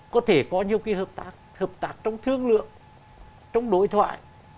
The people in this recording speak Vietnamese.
có thể có nhiều hợp tác hợp tác trong thương lượng trong đối thoại